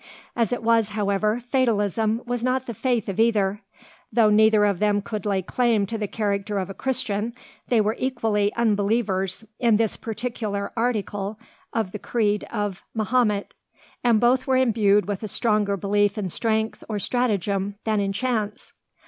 As it was, however, fatalism was not the faith of either. Though neither of them could lay claim to the character of a Christian, they were equally unbelievers in this particular article of the creed of Mahomet; and both were imbued with a stronger belief in strength or stratagem than in chance.